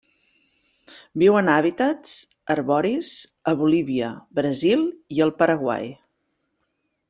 Viu en hàbitats arboris a Bolívia, Brasil i el Paraguai.